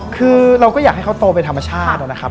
คือเราก็อยากให้เขาโตเป็นธรรมชาตินะครับ